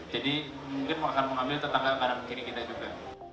jadi mungkin akan mengambil tetangga tetangga kini kita juga